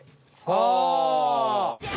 ああ。